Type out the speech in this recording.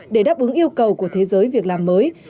để đáp ứng yêu cầu của thế giới việc làm mới